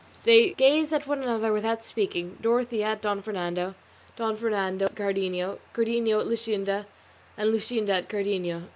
They gazed at one another without speaking, Dorothea at Don Fernando, Don Fernando at Cardenio, Cardenio at Luscinda, and Luscinda at Cardenio.